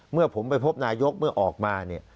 เมื่อผมไปพบนายกเมื่อออกมาเนี่ย